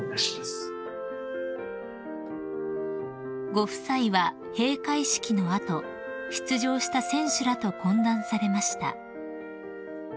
［ご夫妻は閉会式の後出場した選手らと懇談されました］